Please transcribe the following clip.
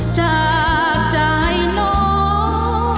จากใจน้อง